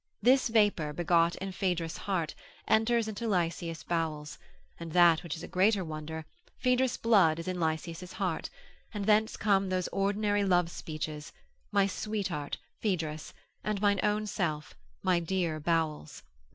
This vapour begot in Phaedrus' heart, enters into Lycias' bowels; and that which is a greater wonder, Phaedrus' blood is in Lycias' heart, and thence come those ordinary love speeches, my sweetheart Phaedrus, and mine own self, my dear bowels.